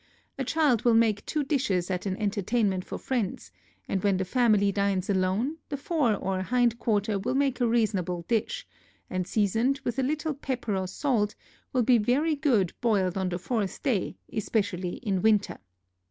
A child will make two dishes at an entertainment for friends, and when the family dines alone, the fore or hind quarter will make a reasonable dish, and seasoned with a little pepper or salt, will be very good boiled on the fourth day, especially in winter.